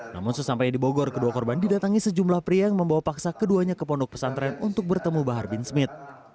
namun sesampai di bogor kedua korban didatangi sejumlah pria yang membawa paksa keduanya ke pondok pesantren untuk bertemu bahar bin smith